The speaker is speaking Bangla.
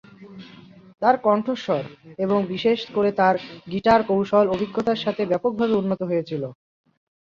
তার কণ্ঠস্বর, এবং বিশেষ করে তার গিটার কৌশল, অভিজ্ঞতার সাথে ব্যাপকভাবে উন্নত হয়েছিল।